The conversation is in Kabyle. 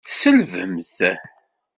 Tselbemt!